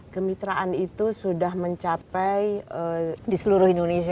kemitraan itu sudah mencapai di seluruh indonesia